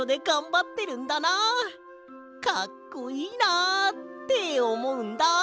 かっこいいなあ」っておもうんだ。